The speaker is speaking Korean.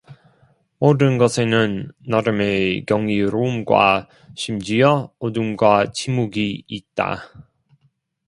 모든 것에는 나름의 경이로움과 심지어 어둠과 침묵이 있다.